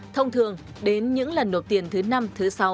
thông thường đến những lần nộp tiền thứ năm thứ sáu